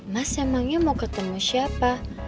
mas emangnya mau ketemu siapa